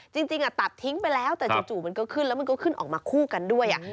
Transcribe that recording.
จริงตัดทิ้งไปแล้วแต่จู่มันก็ขึ้นแล้วมันก็ขึ้นออกมาคู่กันด้วย